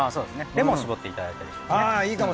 レモン絞っていただいたりしても。